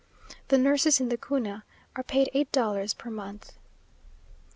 The nurses in the Cuna are paid eight dollars per month.